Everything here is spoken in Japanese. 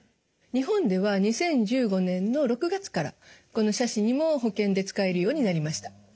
日本では２０１５年の６月からこの斜視にも保険で使えるようになりました。